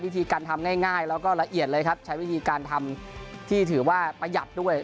วิธีการทำง่ายแล้วก็ละเอียดเลยครับใช้วิธีการทำที่ถือว่าประหยัดด้วย